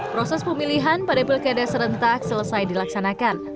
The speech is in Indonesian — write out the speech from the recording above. proses pemilihan pada pilkada serentak selesai dilaksanakan